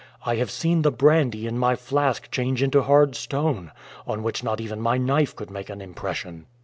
I have seen the brandy in my flask change into hard stone, on which not even my knife could make an impression.